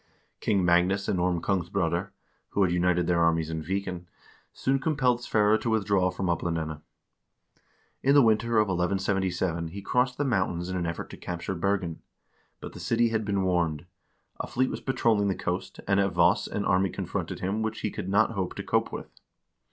King Magnus and Orm Kongsbroder, who had united their armies in Viken, soon compelled Sverre to withdraw from Oplandene. In the winter of 1177 he crossed the mountains in an effort to capture Bergen, but the city had been warned; a fleet was patrolling the coast, and at Voss an army confronted him which he could not hope to cope with.